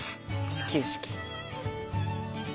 始球式。